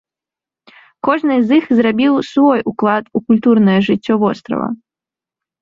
Кожны з іх зрабіў свой уклад у культурнае жыццё вострава.